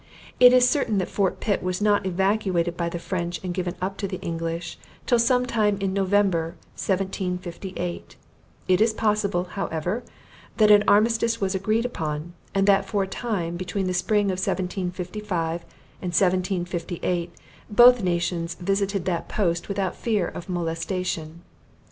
It is certain that Fort Pitt was not evacuated by the French and given up to the English, till sometime in November, 1758. It is possible, however, that an armistice was agreed upon, and that for a time, between the spring of 1755 and 1758, both nations visited that post without fear of molestation.